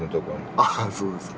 あっそうですか。